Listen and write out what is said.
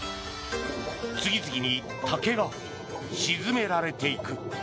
次々に竹が沈められていく。